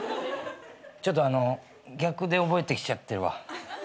ちょっとあのう逆で覚えてきちゃってるわ。